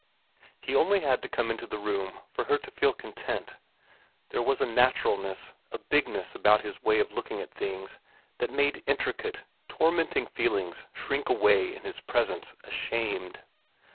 He only had to come into the room for her to feel content. There was a naturalness, a bigness about his way of looking at things that made intricate, tormenting feelings shrink away in his presence ashamed.